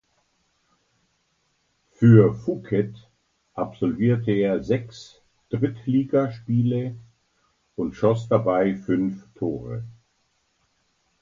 Für Phuket absolvierte er sechs Drittligaspiele und schoss dabei fünf Tore.